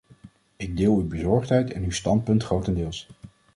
Ik deel uw bezorgdheid en uw standpunten grotendeels.